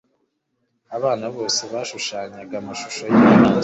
Abana bose bashushanyaga amashusho yinyamaswa.